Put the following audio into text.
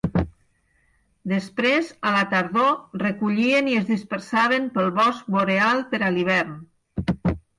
Després, a la tardor, recollien i es dispersaven pel bosc boreal per a l'hivern.